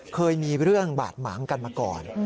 เคยมีเรื่องบาดหมางกันมาก่อน